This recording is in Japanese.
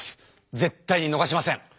絶対にのがしません！